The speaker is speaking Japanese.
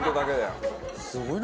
すごいな。